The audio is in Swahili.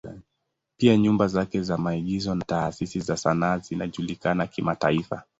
Pia nyumba zake za maigizo na taasisi za sanaa zinajulikana kimataifa.